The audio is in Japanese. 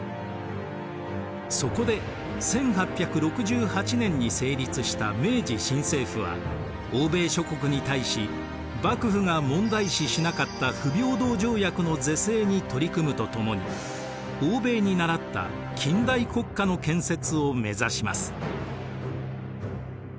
そこで１８６８年に成立した明治新政府は欧米諸国に対し幕府が問題視しなかった不平等条約の是正に取り組むとともに欧米に倣った近代国家の建設を目指します。